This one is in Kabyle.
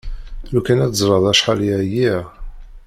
Lufan ad teẓreḍ acḥal i ɛyiɣ!